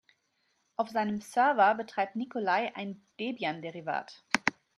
Auf seinem Server betreibt Nikolai ein Debian-Derivat.